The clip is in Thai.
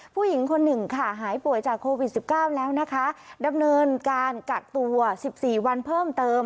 ผู้หญิงคนหนึ่งค่ะหายป่วยจากโควิด๑๙แล้วนะคะดำเนินการกักตัว๑๔วันเพิ่มเติม